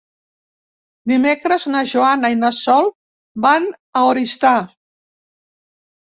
Dimecres na Joana i na Sol van a Oristà.